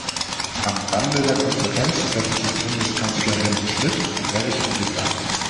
Am Rande der Konferenz treffen sich Bundeskanzler Helmut Schmidt und Erich Honecker.